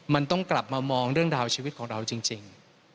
มันต้องกลับมามองเรื่องราวชีวิตของเราจริง